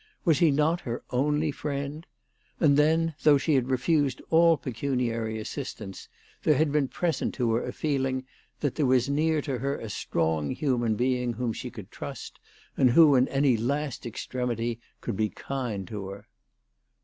Was he not her only friend ? And then, though she had refused all pecuniary assistance, there had been present to her a feeling that there was near to her a strong human being whom she could trust, and who in any last extremity could be kind to her.